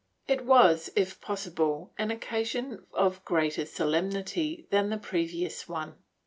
It was, if possible, an occasion of greater solemnity than the previous one.